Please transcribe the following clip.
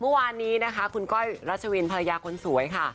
เมื่อวานนี้นะคะคุณก้อยรัชวินภรรยาคนสวยค่ะ